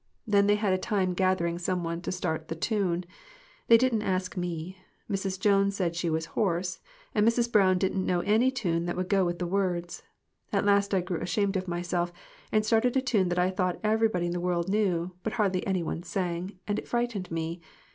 Then they had a time getting some one to start the tune. They didn't ask me. Mrs. Jones said she was hoarse, and Mrs. Brown did not know any tune that would go with the words. At last I grew ashamed of myself, and started a tune that I thought every body in the world knew, but hardly any one sang, and that frightened me.